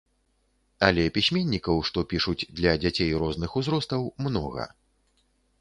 Але пісьменнікаў, што пішуць для дзяцей розных узростаў, многа.